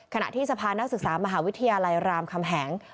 ขณะที่สภานักศึกษามหาวิทยาลัยรามคำแหง